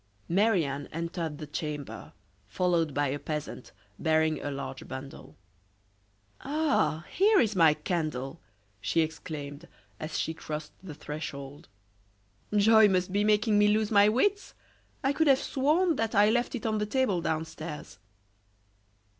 Marie Anne entered the chamber, followed by a peasant, bearing a large bundle. "Ah! here is my candle!" she exclaimed, as she crossed the threshold. "Joy must be making me lose my wits! I could have sworn that I left it on the table downstairs."